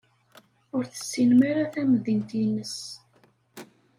Ur tessinem ara tamdint-nnes.